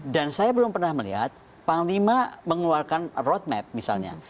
dan saya belum pernah melihat panglima mengeluarkan road map misalnya